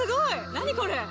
何これ！